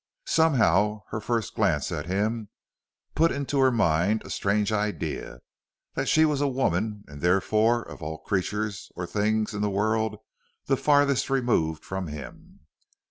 Somehow her first glance at him put into her mind a strange idea that she was a woman and therefore of all creatures or things in the world the farthest removed from him.